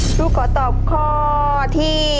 ลูกขอตอบข้อที่